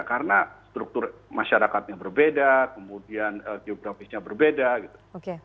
karena struktur masyarakatnya berbeda kemudian geografisnya berbeda gitu